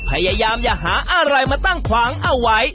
พยายามอย่าหาอะไรมาตั้งขวางเอาไว้